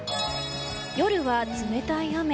夜は冷たい雨。